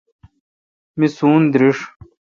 می سون درݭ۔